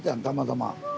たまたま。